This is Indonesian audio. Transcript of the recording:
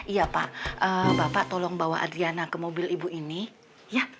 iya pak bapak tolong bawa adriana ke mobil ibu ini ya